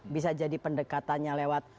bisa jadi pendekatannya lewat